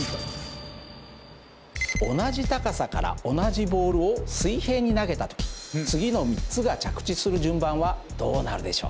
同じ高さから同じボールを水平に投げた時次の３つが着地する順番はどうなるでしょうか？